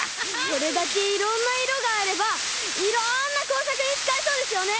これだけいろんないろがあればいろんなこうさくにつかえそうですよね！